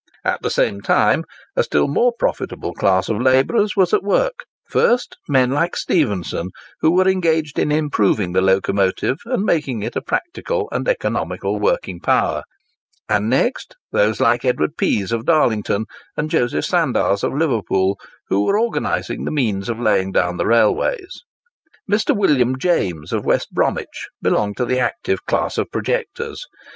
At the same time, a still more profitable class of labourers was at work—first, men like Stephenson, who were engaged in improving the locomotive and making it a practicable and economical working power; and next, those like Edward Pease of Darlington, and Joseph Sandars of Liverpool, who were organising the means of laying down the railways. Mr. William James, of West Bromwich, belonged to the active class of projectors.